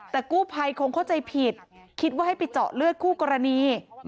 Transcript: แต่กู้ภัยคงเข้าใจผิดคิดว่าให้ไปเจาะเลือดคู่กรณี